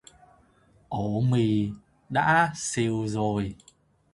Ổ mì đã xìu rồi